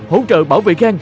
hỗ trợ bảo vệ gan